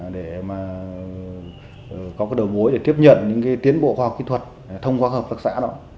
để có đầu bối tiếp nhận những tiến bộ khoa học kỹ thuật thông qua hợp tác xã